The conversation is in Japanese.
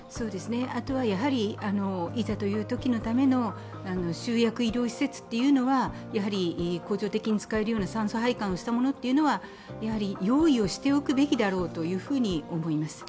あとはいざというときのための集約医療施設というのは恒常的に使えるような酸素機器というものは用意をしておくべきだろうと思います。